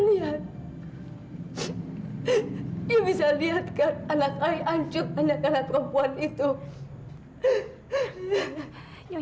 ibu bisa lihat kan anak ibu hancur anak anak perempuan itu